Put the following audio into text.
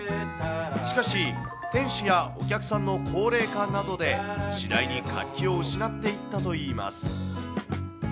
しかし、店主やお客さんの高齢化などで次第に活気を失っていったといいます。